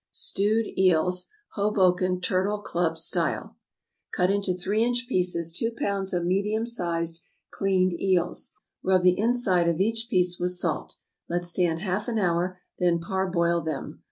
=Stewed Eels, Hoboken Turtle Club Style.= Cut into three inch pieces two pounds of medium sized cleaned eels. Rub the inside of each piece with salt. Let stand half an hour, then parboil them.